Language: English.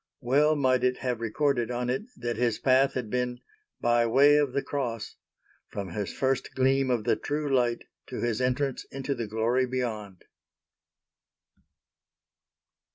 Well might it have recorded on it that his path had been "by way of the Cross," from his first Gleam of the true Light to his entrance into the Glory beyond.